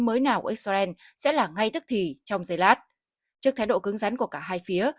mới nào của israel sẽ là ngay tức thì trong giây lát trước thái độ cứng rắn của cả hai phía